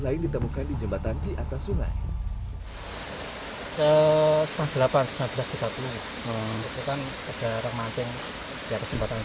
lain ditemukan di jembatan di atas sungai sembilan puluh delapan seribu sembilan ratus tiga puluh satu membutuhkan agar manteng di kesempatan